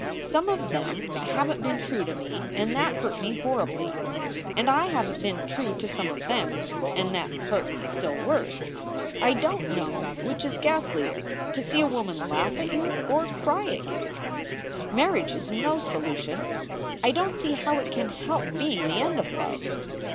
Some of them haven t been true to me, and that hurt me horribly. And I haven t been true to some of them and that hurt me still worse. I don t know which is ghastlier to see a woman laugh at you or cry at you. Marriage is no solution. I don t see how it can help being the end of love.